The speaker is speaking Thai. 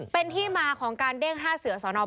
เป็นที่มาของการเด้งห้าเสือ